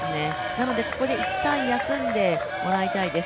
なのでここで一旦、休んでもらいたいです。